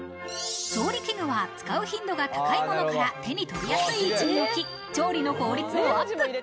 調理器具は使う頻度が高いものから手に取りやすい位置に置き、調理の効率をアップ。